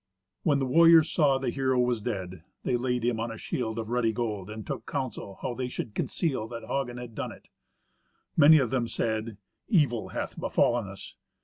When the warriors saw that the hero was dead, they laid him on a shield of ruddy gold, and took counsel how they should conceal that Hagen had done it. Many of them said, "Evil hath befallen us.